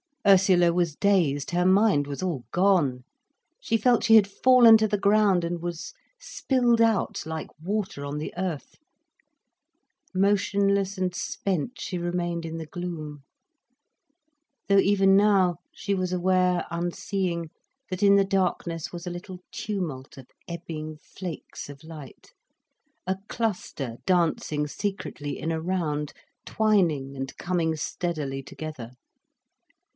Ursula was dazed, her mind was all gone. She felt she had fallen to the ground and was spilled out, like water on the earth. Motionless and spent she remained in the gloom. Though even now she was aware, unseeing, that in the darkness was a little tumult of ebbing flakes of light, a cluster dancing secretly in a round, twining and coming steadily together.